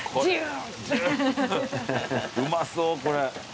うまそうこれ。